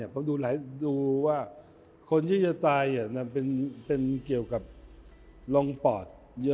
ผมดูว่าคนที่จะตายเป็นเกี่ยวกับลงปอดเยอะ